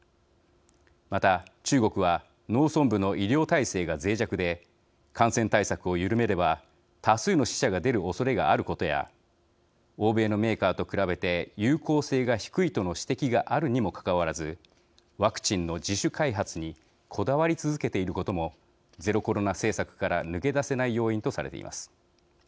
また、中国は農村部の医療体制がぜい弱で感染対策を緩めれば多数の死者が出るおそれがあることや欧米のメーカーと比べて有効性が低いとの指摘があるにもかかわらずワクチンの自主開発にこだわり続けていることもゼロコロナ政策から抜け出せない要因とされています。